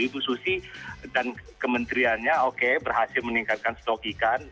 ibu susi dan kementeriannya oke berhasil meningkatkan stok ikan